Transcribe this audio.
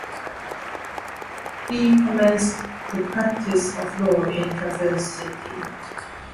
He commenced the practice of law in Traverse City.